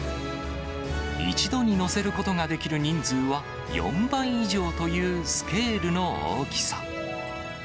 一度に乗せることができる人数は、４倍以上というスケールの大きさ。